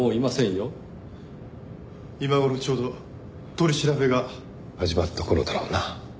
今頃ちょうど取り調べが始まった頃だろうな。